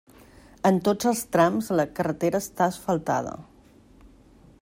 En tots els trams la carretera està asfaltada.